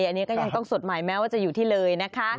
อันนี้ก็ยังต้องสดใหม่แม้ว่าจะอยู่ที่เลยนะคะ